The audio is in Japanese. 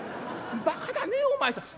「バカだねお前さん」。